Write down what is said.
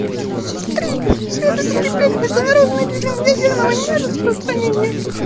В-третьих, следует укреплять международный режим ядерного нераспространения.